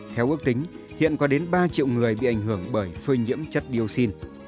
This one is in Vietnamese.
theo ước tính hiện có đến ba triệu người bị ảnh hưởng bởi phơi nhiễm chất dioxin